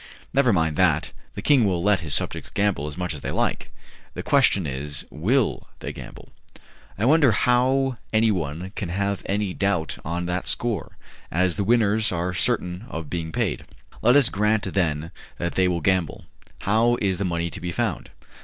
"Never mind that, the king will let his subjects gamble as much as they like: the question is, will they gamble?" "I wonder how anyone can have any doubt on that score, as the winners are certain of being paid." "Let us grant, then, that they will gamble: how is the money to be found?"